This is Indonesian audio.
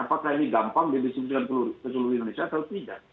apakah ini gampang didistribusikan ke seluruh indonesia atau tidak